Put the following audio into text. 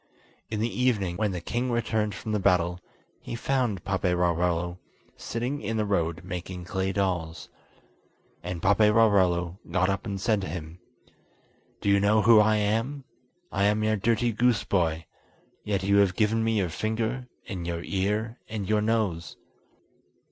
In the evening, when the king returned from the battle, he found Paperarello sitting in the road making clay dolls. And Paperarello got up and said to him: "Do you know who I am? I am your dirty goose boy, yet you have given me your finger, and your ear, and your nose."